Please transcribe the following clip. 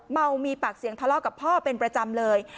เมามีปากเสียงทะเลาะกับพ่อเป็นประจำเลย